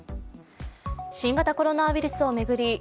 新型コロナウイルスを巡り